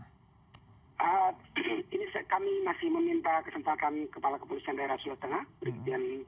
ini kami masih meminta kesempatan kami kepala kepolisian daerah sulawet tengah